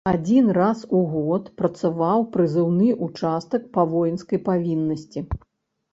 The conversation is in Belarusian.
Адзін раз у год працаваў прызыўны ўчастак па воінскай павіннасці.